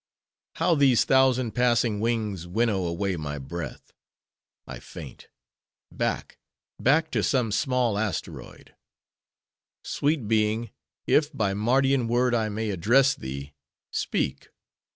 —How these thousand passing wings winnow away my breath:—I faint:—back, back to some small asteroid.—Sweet being! if, by Mardian word I may address thee— speak!